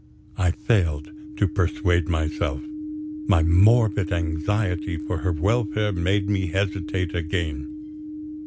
I failed to persuade myself; my morbid anxiety for her welfare made me hesitate again.